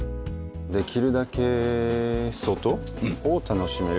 できるだけ外を楽しめる。